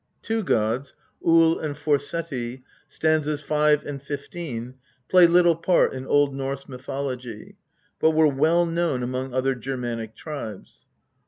Two gods, Ull and Forseti (sts. 5 and 15), play little part in Old Norse mythology, but were well known among other Germanic tribes.